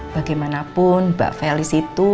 bagaimanapun mbak felis itu